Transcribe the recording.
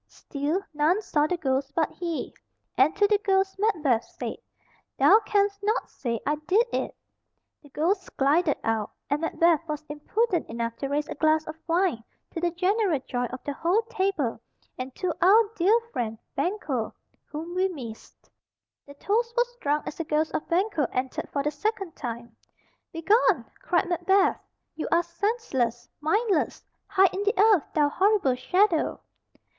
Still none saw the ghost but he, and to the ghost Macbeth said, "Thou canst not say I did it." The ghost glided out, and Macbeth was impudent enough to raise a glass of wine "to the general joy of the whole table, and to our dear friend Banquo, whom we miss." The toast was drunk as the ghost of Banquo entered for the second time. "Begone!" cried Macbeth. "You are senseless, mindless! Hide in the earth, thou horrible shadow."